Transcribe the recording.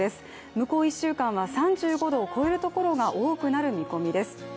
向こう１週間は３５度を超えるところが多くなる見込みです。